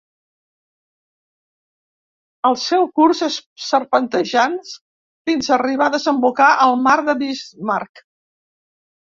El seu curs és serpentejant fins a arribar a desembocar al Mar de Bismarck.